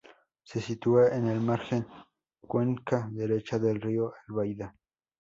Se sitúa en la margen cuenca derecha del río Albaida.